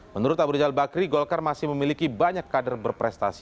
menurut abu rizal bakri golkar masih memiliki banyak kader berprestasi